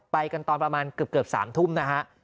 ไปกันตอนประมาณเกือบ๓ทุ่มนะฮะ